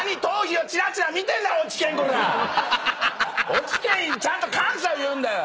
落研ちゃんと感謝言うんだよ！